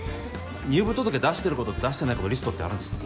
入部届出してる子と出してない子のリストってあるんですか？